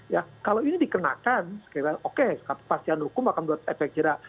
ya kalau ini dikenakan sekiranya oke kepastian hukum akan membuat efek jerak